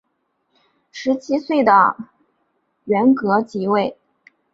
十七岁的元恪即位。